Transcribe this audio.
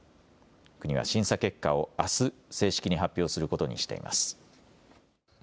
国は審査結果をあす正式に発表することにしています。